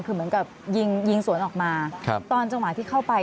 คือเหมือนกับยิงยิงสวนออกมาตอนจังหวะที่เข้าไป